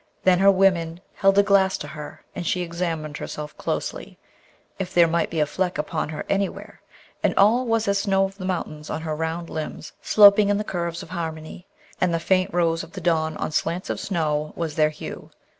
Then her women held a glass to her, and she examined herself closely, if there might be a fleck upon her anywhere, and all was as the snow of the mountains on her round limbs sloping in the curves of harmony, and the faint rose of the dawn on slants of snow was their hue.